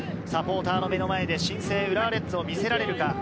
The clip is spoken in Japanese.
サポーターの目の前で新生浦和レッズを見せられるか。